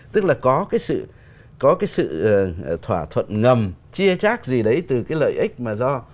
tức là có cái sự thỏa thuận ngầm chia trác gì đấy từ cái lợi ích mà do